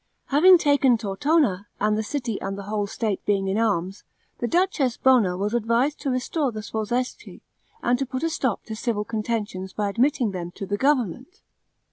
Having taken Tortona, and the city and the whole state being in arms, the duchess Bona was advised to restore the Sforzeschi, and to put a stop to civil contentions by admitting them to the government.